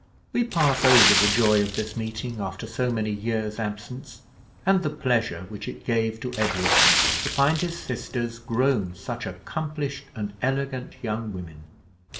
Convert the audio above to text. We pass over the joy of this meeting after so many years' absence, and the pleasure which it gave to Edward to find his sisters grown such accomplished and elegant young women.